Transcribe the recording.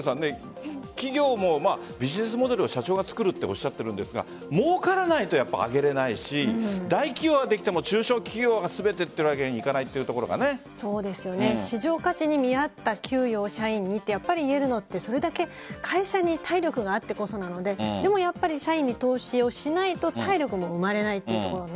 企業もビジネスモデルを社長が作るとおっしゃっていますがもうからないとあげられないし大企業はできても中小企業が全てというわけには市場価値に見合った給与を社員にっていえるのはそれだけ会社に体力があってこそなのででも、やっぱり社員に投資をしないと、体力も生まれないというところ。